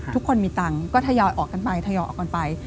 ทุกคนมีตังค์ก็ทยอยออกกันไปทยอยออกกันไป